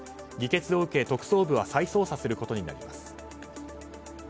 議決を受け特捜部は再捜査することになります。